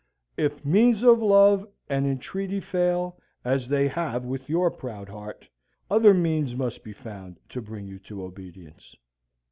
If means of love and entreaty fail, as they have with your proud heart, other means must be found to bring you to obedience.